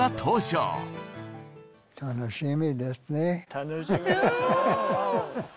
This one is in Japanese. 楽しみですよ。